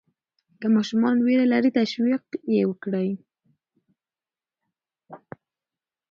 که ماشوم ویره لري، تشویق یې وکړئ.